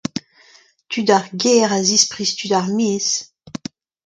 Tud ar gêr a zispriz tud ar maez.